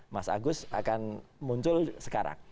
mas agus akan muncul sekarang